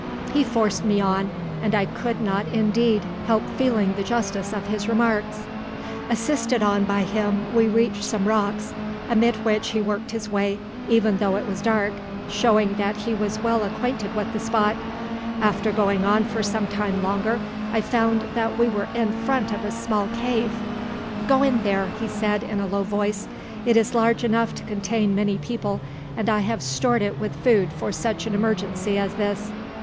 "He forced me on; and I could not indeed help feeling the justice of his remarks. "Assisted on by him we reached some rocks, amid which he worked his way, even though it was dark, showing that he was well acquainted with the spot. After going on for some time longer, I found that we were in front of a small cave. "`Go in there,' he said, in a low voice. `It is large enough to contain many people; and I have stored it with food for such an emergency as this.'